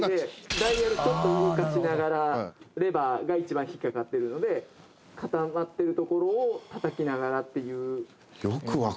ダイヤルちょっと動かしながらレバーがいちばん引っかかってるので固まってるところをたたきながらっていう。